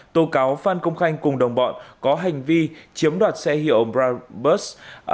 tố cáo phan công khanh cùng đồng bọn có hành vi chiếm đoạt xe hiệu brabus